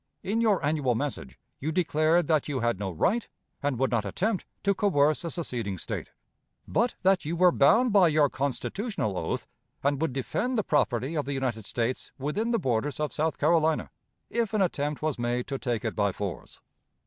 In your annual message you declared that you had no right, and would not attempt, to coerce a seceding State, but that you were bound by your constitutional oath, and would defend the property of the United States within the borders of South Carolina, if an attempt was made to take it by force.